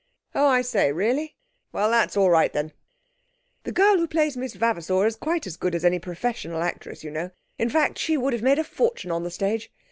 'Oh, I say, really? Well, that's all right then. The girl who plays Miss Vavasour is quite as good as any professional actress, you know; in fact, she would have made a fortune on the stage.